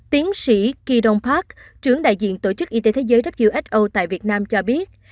tiến sĩ kee dong park trưởng đại diện tổ chức y tế thế giới who tại việt nam cho biết